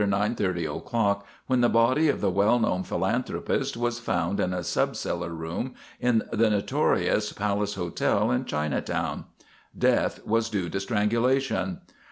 30 o'clock, when the body of the well known philanthropist was found in a subcellar room in the notorious Palace Hotel in Chinatown. "Death was due to strangulation.